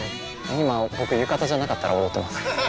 今僕浴衣じゃなかったら踊ってます。